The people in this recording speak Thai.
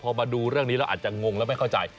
พอมาดูเรื่องนี้เราอาจจะงงแล้วไม่เข้าใจ